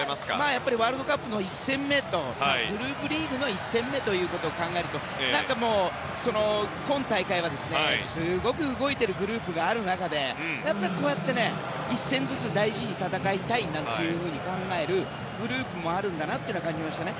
やっぱりワールドカップの１戦目とグループリーグの１戦目ということを考えると何か、今大会はすごく動いてるグループがある中で、こうやって１戦ずつ大事に戦いたいと考えるグループもあるんだなと感じましたね。